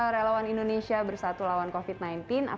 relawan indonesia bersatu lawan covid sembilan belas